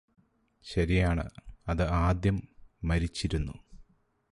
ശരിയാണ് അത് ആദ്യം മരിച്ചിരുന്നു